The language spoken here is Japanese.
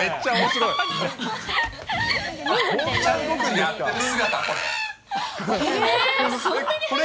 やってる姿？